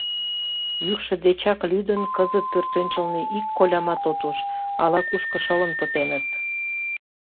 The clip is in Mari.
Йӱкшӧ дечак лӱдын, кызыт пӧртӧнчылнӧ ик колямат от уж: ала-кушко шылын пытеныт.